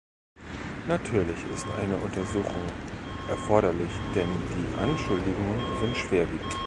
Natürlich ist eine Untersuchung erforderlich, denn die Anschuldigungen sind schwerwiegend.